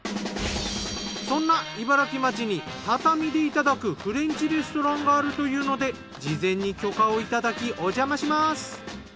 そんな茨城町に畳でいただくフレンチレストランがあるというので事前に許可をいただきおじゃまします。